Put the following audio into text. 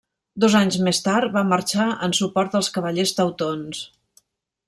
Dos anys més tard va marxar en suport dels Cavallers teutons.